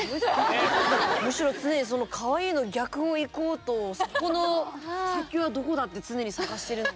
むしろ常にそのかわいいの逆を行こうとそこの先はどこだって常に探してるんで。